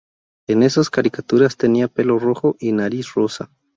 En esas caricaturas, tenía pelo rojo y nariz rosa.